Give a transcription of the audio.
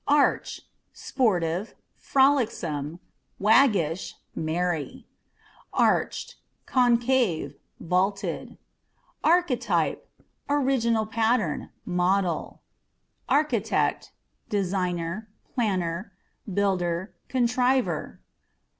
Archâ€" sportive, frolicsome, waggish, merry. Arched â€" concave, vaulted. Archetypeâ€" original pattern, model. Architectâ€" designer, planner, builder, contriver.